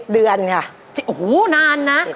๗เดือนค่ะอ๋อโหนานนะ